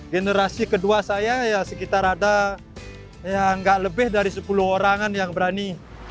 generasi kedua saya ya sekitar ada ya nggak lebih dari sepuluh orangan yang berani